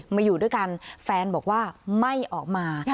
มาอยู่ด้วยกันแฟนบอกว่าไม่ออกมา